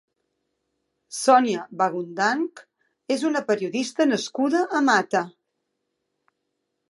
Sònia Bagudanch és una periodista nascuda a Mata.